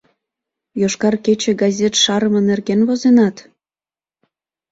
«Йошкар кече» газет шарыме нерген возенат?